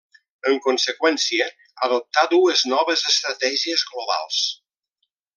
En conseqüència, adoptà dues noves estratègies globals.